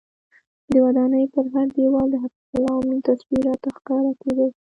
د ودانۍ پر هر دیوال د حفیظ الله امین تصویر راته ښکاره کېده.